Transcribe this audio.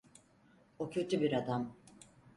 O kötü bir adam.